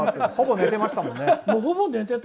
ほぼ寝てましたもんね。